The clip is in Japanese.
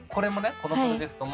このプロジェクトも。